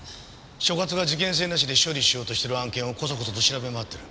所轄が事件性なしで処理しようとしてる案件をこそこそと調べ回ってる。